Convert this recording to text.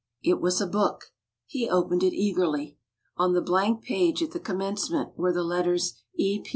It was a book. He opened it eagerly. On the blank page at the commencement were the letters "E.